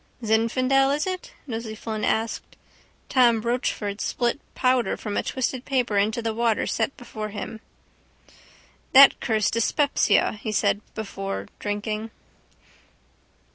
—Zinfandel is it? Nosey Flynn asked. Tom Rochford spilt powder from a twisted paper into the water set before him. —That cursed dyspepsia, he said before drinking.